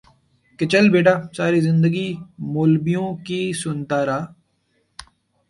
کہ چل بیٹا ساری زندگی مولبیوں کو سنتا رہ